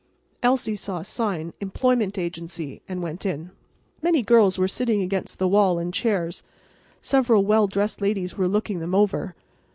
Elsie saw a sign "Employment Agency" and went in. Many girls were sitting against the wall in chairs. Several well dressed ladies were looking them over.